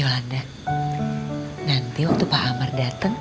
yolanda nanti waktu pak amar dateng